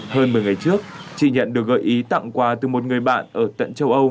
hơn một mươi ngày trước chị nhận được gợi ý tặng quà từ một người bạn ở tận châu âu